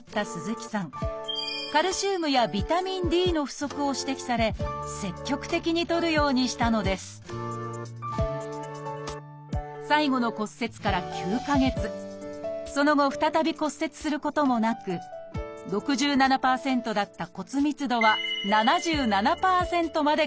カルシウムやビタミンＤの不足を指摘され積極的にとるようにしたのです最後の骨折から９か月その後再び骨折することもなく６７％だった骨密度は７７％まで回復。